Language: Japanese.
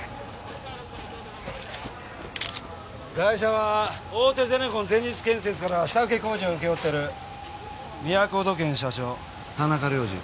ガイシャは大手ゼネコン全日建設から下請け工事を請け負ってるみやこ土建社長田中良次。